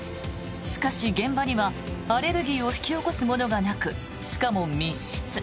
しかし現場には、アレルギーを引き起こすものがなくしかも、密室。